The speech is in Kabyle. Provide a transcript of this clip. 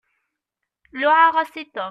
Luɛaɣ-as i Tom.